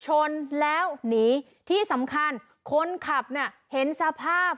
ชนแล้วหนีที่สำคัญคนขับเนี่ยเห็นสภาพ